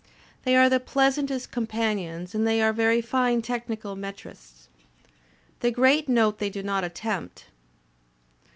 They are the pleasantest companions and they are very fine technical metrists. The great note they do not attempt.